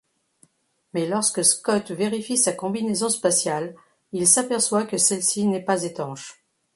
Mais lorsque Scott vérifie sa combinaison spatiale, il s'aperçoit que celle-ci n'est pas étanche.